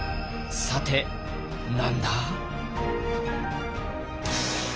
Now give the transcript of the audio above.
さて何だ？